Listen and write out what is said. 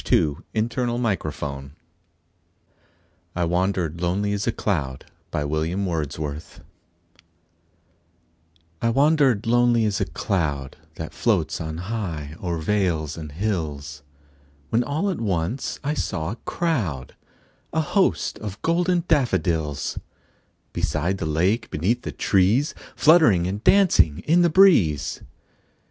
William Wordsworth I Wandered Lonely As a Cloud I WANDERED lonely as a cloud That floats on high o'er vales and hills, When all at once I saw a crowd, A host, of golden daffodils; Beside the lake, beneath the trees, Fluttering and dancing in the breeze.